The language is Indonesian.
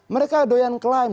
mereka doyan klaim